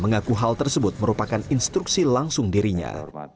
mengaku hal tersebut merupakan instruksi langsung dirinya